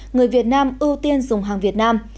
người việt nam ưu tiên dùng hàng việt nam